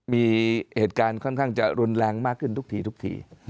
มีเหตุการณ์ค่อนข้างจะรุนแรงมากขึ้นทุกทีทุกที